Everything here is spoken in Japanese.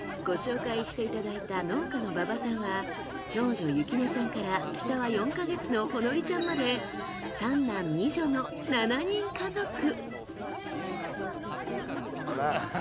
ご紹介していただいた農家の馬場さんは長女千寧さんから下は４か月の穂乃璃ちゃんまで三男二女の７人家族。